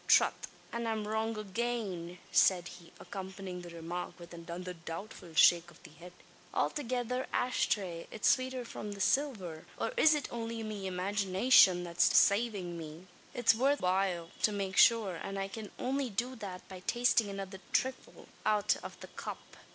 "Trath! an I'm wrong agane!" said he, accompanying the remark with another doubtful shake of the head. "Althegither asthray. It's swater from the silver. Or, is it only me imaginayshin that's desavin' me? It's worth while to make shure, an I can only do that by tastin' another thrifle out av the cup.